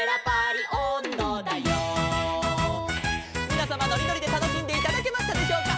「みなさまのりのりでたのしんでいただけましたでしょうか」